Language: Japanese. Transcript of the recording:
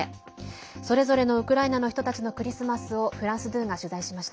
それぞれのウクライナの人たちのクリスマスをフランス２が取材しました。